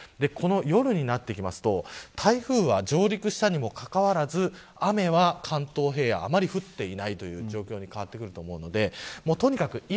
夜になると台風が上陸したにもかかわらず雨は関東平野、あまり降っていないという状況に変わってくると思うのでとにかく